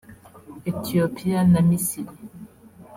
Ethiopia na Misiri”